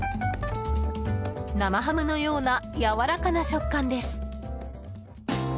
生ハムのようなやわらかな食感です。